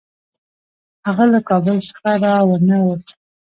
هغه له کابل څخه را ونه ووت.